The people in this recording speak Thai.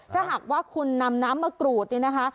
ถ้าหากว่าคุณนำน้ำมะกรูดนี่นะคะ